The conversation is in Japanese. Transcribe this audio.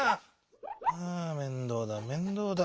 あ面倒だ面倒だ。